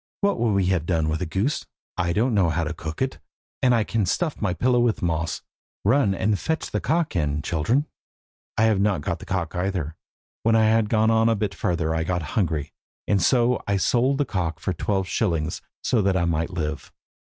What could we have done with a goose? I don't know how to cook it, and I can stuff my pillow with moss. Run and fetch the cock in, children." "But," said Gudbrand, "I have not got the cock either. When I had gone a bit further I got hungry, and so I sold the cock for twelve shillings so that I might live."